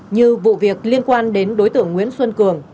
như vụ việc liên quan đến đối tượng nguyễn xuân cường